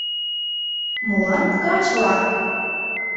Молан ткач-влак?